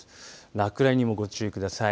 落雷にもご注意ください。